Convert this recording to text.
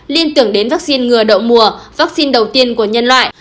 liên tưởng đến vaccine ngừa đậu mùa vaccine đầu tiên của nhân loại